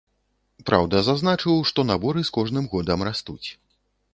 Праўда, зазначыў, што наборы з кожным годам растуць.